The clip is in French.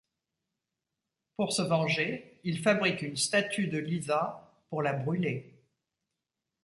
Pour se venger, il fabrique une statue de Lisa pour la brûler.